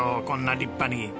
こんな立派に。